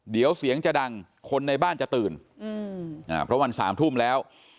เดี๋ยวเสียงจะดังคนในบ้านจะตื่นเพราะวัน๓ทุ่มแล้ว